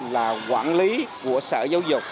là quản lý của sở giáo dục